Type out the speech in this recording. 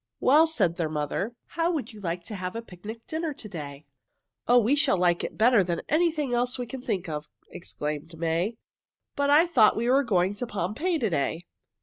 "Well," said their mother, "how would you like to have a picnic dinner to day?" "Oh, we should like it better than anything else we can think of!" exclaimed May. "But I thought we were going to Pompeii to day."